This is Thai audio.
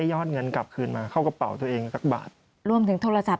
หยอดเงินกลับคืนมาเขากระเป๋าตัวเองบัสร่วนถึงโทรศัพท์